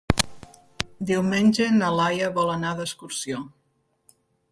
Diumenge na Laia vol anar d'excursió.